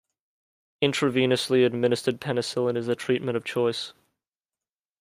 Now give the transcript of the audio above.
Intravenously administered penicillin is the treatment of choice.